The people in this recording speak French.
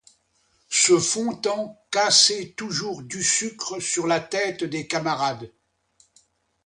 Ce Fontan cassait toujours du sucre sur la tête des camarades!